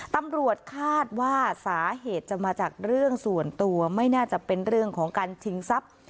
ตำรวจคาดว่าสาเหตุจะมาจากเรื่องส่วนตัวไม่น่าจะเป็นเรื่องของการชิงทรัพย์